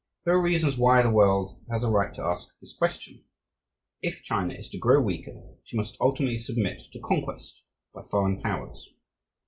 There are reasons why the world has a right to ask this question. If China is to grow weaker, she must ultimately submit to conquest by foreign powers.